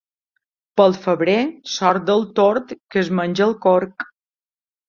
Pel febrer, sort del tord, que es menja el corc.